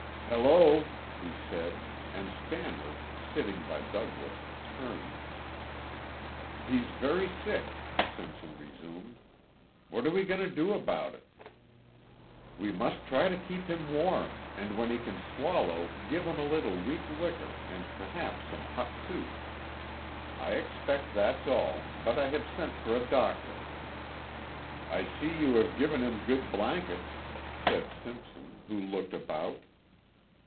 "Hello!" he said, and Stannard, sitting by Douglas, turned. "He's very sick," Simpson resumed. "What are we going to do about it?" "We must try to keep him warm and when he can swallow give him a little weak liquor and perhaps some hot soup. I expect that's all, but I have sent for a doctor." "I see you have given him good blankets," said Simpson, who looked about.